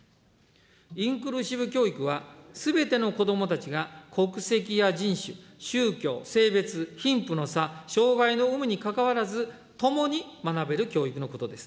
インクルーシブ教育は、すべての子どもたちが国籍や人種、宗教、性別、貧富の差、障害の有無にかかわらず、共に学べる教育のことです。